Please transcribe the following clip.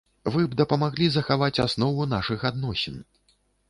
Вы б дапамаглі захаваць аснову нашых адносін.